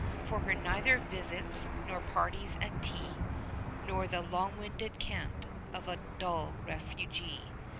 6 For her neither visits nor parties at tea, Nor the long winded cant of a dull refugee.